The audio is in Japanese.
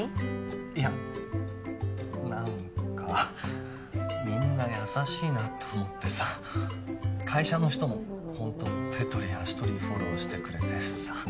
いや何かみんな優しいなと思ってさ会社の人もホント手取り足取りフォローしてくれてさ